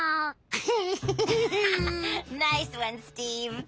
エヘヘヘ。